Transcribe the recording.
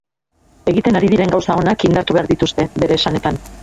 Egiten ari diren gauza onak indartu behar dituzte, bere esanetan.